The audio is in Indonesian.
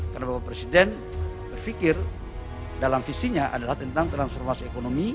karena bapak presiden berpikir dalam visinya adalah tentang transformasi ekonomi